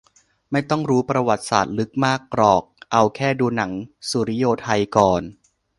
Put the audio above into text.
ไม่ต้องรู้ประวัติศาสตร์ลึกมากหรอกเอาแค่ดูหนังสุริโยไทก่อน